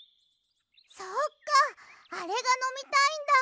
そっかあれがのみたいんだ。